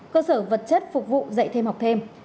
cơ sở vật chất phục vụ dạy thêm học thêm